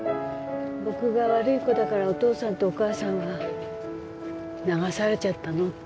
「僕が悪い子だからお父さんとお母さんは流されちゃったの？」